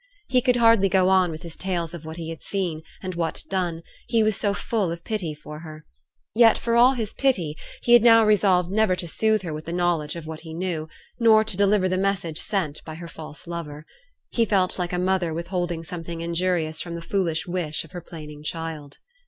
He could hardly go on with his tales of what he had seen, and what done, he was so full of pity for her. Yet, for all his pity, he had now resolved never to soothe her with the knowledge of what he knew, nor to deliver the message sent by her false lover. He felt like a mother withholding something injurious from the foolish wish of her plaining child.